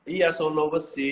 iya solo besi